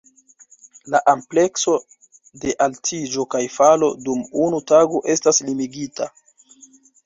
La amplekso de altiĝo kaj falo dum unu tago estas limigita.